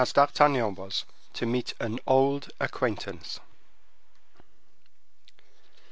D'Artagnan was to meet an Old Acquaintance.